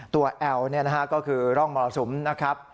แอลก็คือร่องมรสุมนะครับ